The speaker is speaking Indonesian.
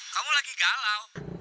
kamu lagi galau